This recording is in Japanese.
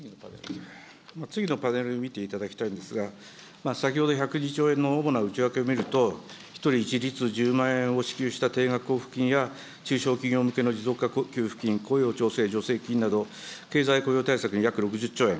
次のパネル見ていただきたいんですが、先ほど１０２兆円の主な内訳を見ると、１人一律１０万円を支給した定額交付金や中小企業向けの持続化給付金、雇用調整助成金など、経済雇用対策に約６０兆円、